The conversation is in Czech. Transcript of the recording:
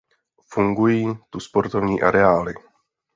Fungují tu sportovní areály.